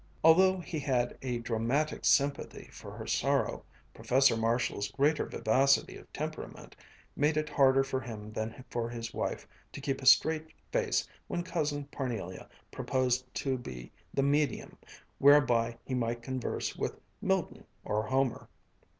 Although he had a dramatic sympathy for her sorrow, Professor Marshall's greater vivacity of temperament made it harder for him than for his wife to keep a straight face when Cousin Parnelia proposed to be the medium whereby he might converse with Milton or Homer.